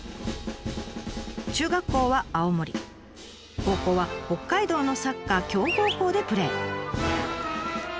中学校は青森高校は北海道のサッカー強豪校でプレー。